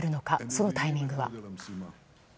そのタイミングは。